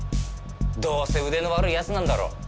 どうせ腕の悪い奴なんだろ。